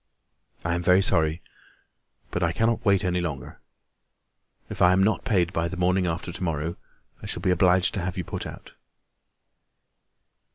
"I am very sorry, but I cannot wait any longer. If I am not paid by the morning after to morrow, I shall be obliged to have you put out."